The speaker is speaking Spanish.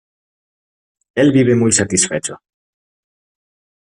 El vive muy satisfecho.